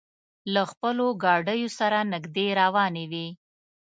له خپلو ګاډیو سره نږدې روانې وې.